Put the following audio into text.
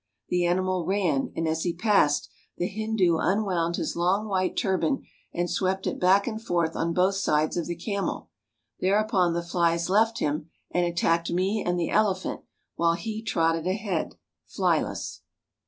The animal ran, and as he passed, the Hindu unwound his long white turban and swept it back and forth on both sides of the camel. Thereupon, the flies left him, and attacked me and the elephant, while he trotted ahead, flyless.